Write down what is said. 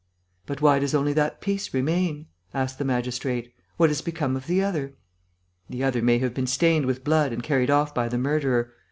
"But why does only that piece remain?" asked the magistrate. "What has become of the other?" "The other may have been stained with blood and carried off by the murderer.